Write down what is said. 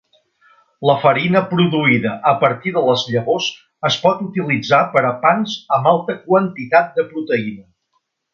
La farina produïda a partir de les llavors es pot utilitzar per a pans amb alta quantitat de proteïna.